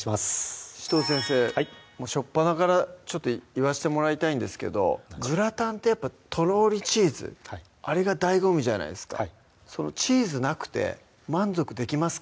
初っぱなから言わしてもらいたいんですけどグラタンってやっぱとろーりチーズあれが醍醐味じゃないですかはいチーズなくて満足できますか？